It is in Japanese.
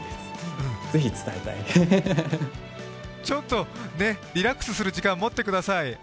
ちょっとリラックスする時間を持ってください。